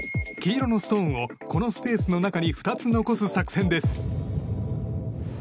黄色のストーンをこのスペースの中に２つ残す作戦です。